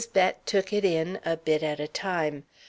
Bett took it in, a bit at a time.